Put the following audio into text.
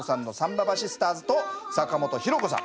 ばばシスターズと坂本廣子さん。